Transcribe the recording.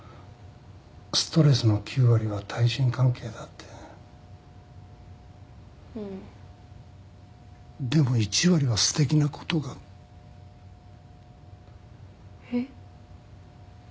ストレスの９割は対人関係だってうんでも１割はすてきなことがえっ？